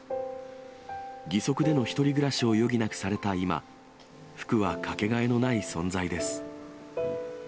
義足での１人暮らしを余儀なくされた今、福はかけがえのない存在です。